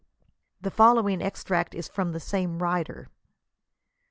The following extract is from the same writer.